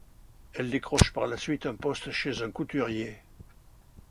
Elle décroche par la suite un poste chez un couturier.